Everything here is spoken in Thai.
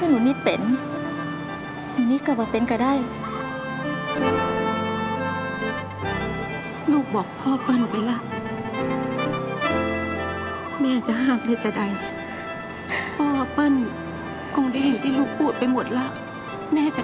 ลูนิจจะได้ทำตามสัญญาที่บอกป่าได้ล่ะเนอะ